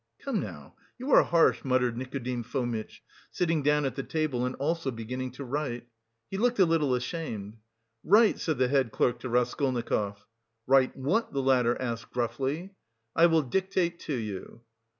"Come now... you are harsh," muttered Nikodim Fomitch, sitting down at the table and also beginning to write. He looked a little ashamed. "Write!" said the head clerk to Raskolnikov. "Write what?" the latter asked, gruffly. "I will dictate to you."